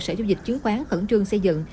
sở giao dịch chứng khoán khẩn trương xây dựng